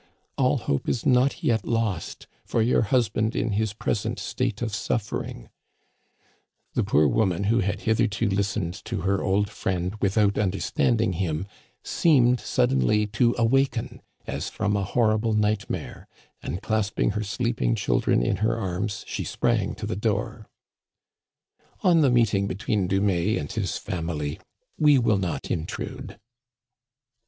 ' All hope is not yet lost, for your hus band in his present state of suffering —" The poor woman, who had hitherto listened to her old friend without understanding him, seemed suddenly to awaken as from a horrible nightmare, and clasping her sleeping children in her arms she sprang to the door. On the meeting between Dumais and his family we will not intrude.